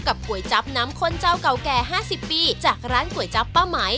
พบกับกรวยจับน้ำคนเจ้าเกาแก๕๐วันจากร้านกรวยจับป่าหมาย